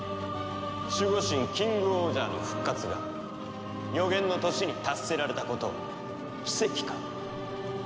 守護神キングオージャーの復活が予言の年に達せられたことは奇跡か運命か。